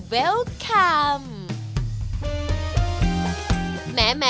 เวลคัม